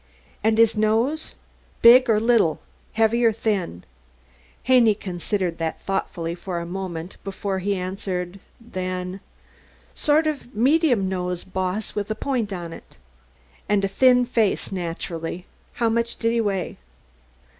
"And his nose? Big or little? Heavy or thin?" Haney considered that thoughtfully for a moment before he answered. Then: "Sort o' medium nose, Boss, with a point on it." "And a thin face, naturally. How much did he weigh?"